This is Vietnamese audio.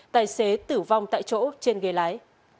tài xế tử vong tại chỗ trên ghế lái